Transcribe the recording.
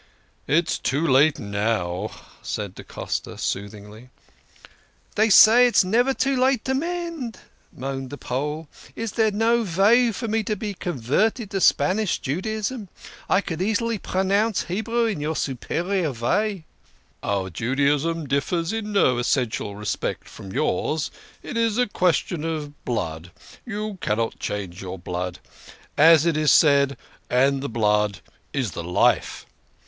" It is too late now," said da Costa soothingly. "Dey say it's never too late to mend," moaned the Pole. " Is dere no vay for me to be converted to Spanish Judaism ? I could easily pronounce Hebrew in your superior vay." " Our Judaism differs in no essential respect from yours it is a question of blood. You cannot change your blood. As it is said, 'And the blood is the life.'